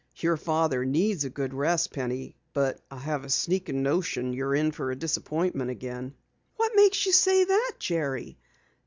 "Your father needs a good rest, Penny. But I have a sneaking notion you're in for a disappointment again." "What makes you say that, Jerry?